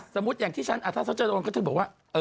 สมมุติอย่างที่ฉันอาทธาตุธรรมก็คือบอกว่า